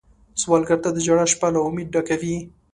سوالګر ته د ژړا شپه له امید ډکه وي